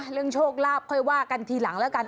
โชคลาภค่อยว่ากันทีหลังแล้วกัน